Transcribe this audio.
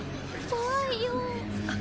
怖いよ。